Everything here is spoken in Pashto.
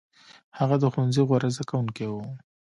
هغه د ښوونځي غوره زده کوونکی و.